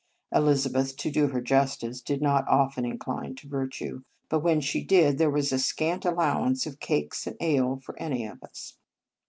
Elizabeth, to do her justice, did not often incline to virtue; but when she did, there was a scant allowance of cakes and ale for any of us.